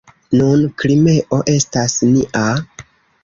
Nun Krimeo estas nia.